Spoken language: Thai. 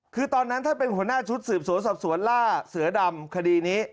คือตอนนั้นท่านเป็นหัวหน้าชุดสืบสวนสอบสวนล่าเสือดำคดีนี้